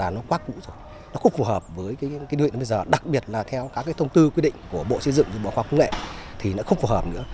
nó quá cũ rồi nó không phù hợp với nguyên liệu bây giờ đặc biệt là theo các thông tư quy định của bộ xây dựng và bộ khoa học nghệ thì nó không phù hợp nữa